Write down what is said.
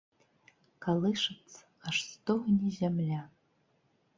Калышацца, аж стогне зямля.